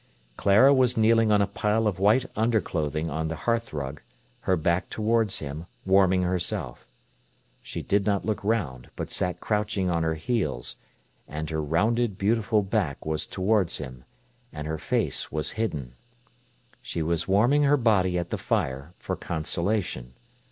Clara was kneeling on a pile of white underclothing on the hearthrug, her back towards him, warming herself. She did not look round, but sat crouching on her heels, and her rounded beautiful back was towards him, and her face was hidden. She was warming her body at the fire for consolation.